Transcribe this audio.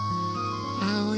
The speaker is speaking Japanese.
あおい